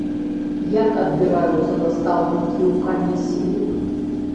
Як адбіраюцца настаўнікі ў камісіі?